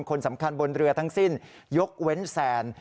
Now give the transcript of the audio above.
คนสำคัญบนเรือทั้งสิ้นยกเว้นแซน